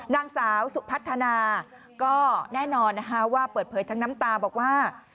นางสาวสุพัฒนาก็แน่นอนนะคะว่าเปิดเผยทั้งน้ำตาบอกว่า